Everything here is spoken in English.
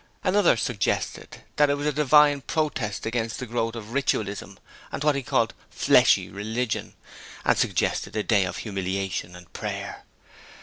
Another suggested that it was a Divine protest against the growth of Ritualism and what he called 'fleshly religion', and suggested a day of humiliation and prayer.